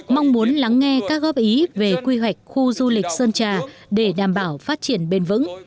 mong muốn lắng nghe các góp ý về quy hoạch khu du lịch sơn trà để đảm bảo phát triển bền vững